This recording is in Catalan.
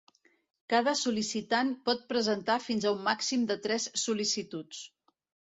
Cada sol·licitant pot presentar fins a un màxim de tres sol·licituds.